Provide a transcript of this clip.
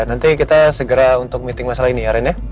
nanti kita segera untuk meeting masalah ini ya rena